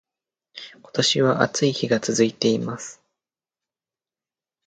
今年は暑い日が続いています